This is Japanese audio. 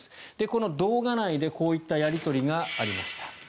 この動画内でこういったやり取りがありました。